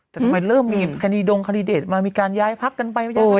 แต่ทำไมเริ่มมีคดีดงคดีเดตมามีการย้ายพักกันไป